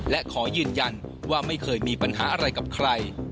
และขอยืนยันว่าไม่เคยมีปัญหาอะไรกับใคร